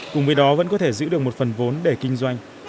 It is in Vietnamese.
cùng với đó vẫn có thể giữ được một phần vốn để kinh doanh